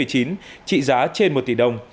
trị giá trên một tỷ đồng